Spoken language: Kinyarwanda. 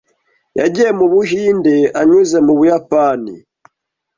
Yagiye mu Buhinde anyuze mu Buyapani.